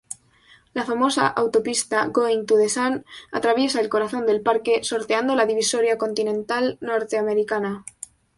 La famosa autopista Going-to-the-Sun, atraviesa el corazón del parque sorteando la Divisoria continental norteamericana.